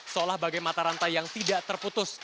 seolah bagai mata rantai yang tidak terputus